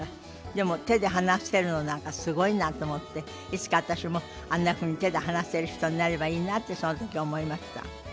でも手で話せるのなんかすごいなと思っていつか私もあんなふうに手で話せる人になればいいなとその時思いました。